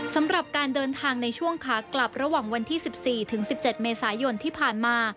สำหรับการเดินทางในช่วงขากลับระหว่างวันที่๑๔ถึง๑๗เมษายนที่ผ่านมา